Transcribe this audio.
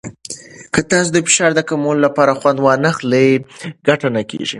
که تاسو د فشار کمولو لپاره خوند ونه واخلئ، ګټه نه کېږي.